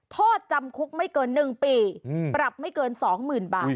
ทอดจำคุกไม่เกินหนึ่งปีอืมปรับไม่เกินสองหมื่นบาท